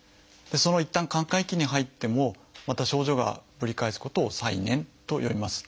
いったん寛解期に入ってもまた症状がぶり返すことを「再燃」と呼びます。